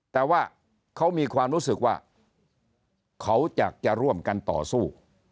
แต่ว่าเขามีความรู้สึกว่าเขาอยากจะร่วมกันต่อสู้